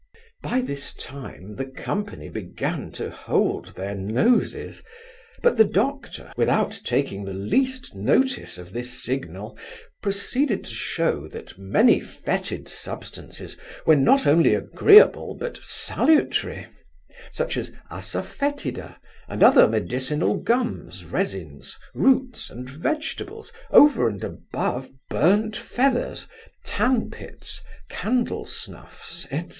By this time the company began to hold their noses; but the doctor, without taking the least notice of this signal, proceeded to shew, that many fetid substances were not only agreeable but salutary; such as assa foetida, and other medicinal gums, resins, roots, and vegetables, over and above burnt feathers, tan pits, candle snuffs, &c.